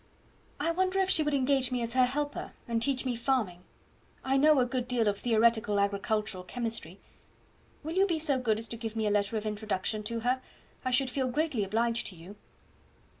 "I wonder if she would engage me as her helper, and teach me farming. I know a good deal of theoretical agricultural chemistry. Will you be so good as give me a letter of introduction to her; I should feel greatly obliged to you."